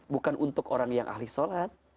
bukan untuk orang yang ahli sholat